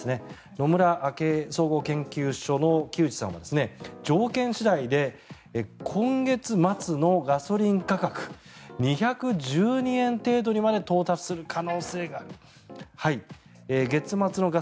野村総合研究所の木内さんは条件次第で今月末のガソリン価格２１２円程度にまで到達する可能性がある。